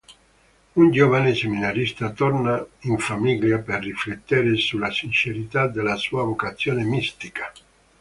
Un giovane seminarista torna in famiglia per riflettere sulla sincerità della sua vocazione mistica.